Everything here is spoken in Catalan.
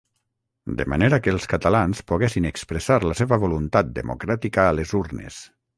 De manera que els catalans poguessin expressar la seva voluntat democràtica a les urnes.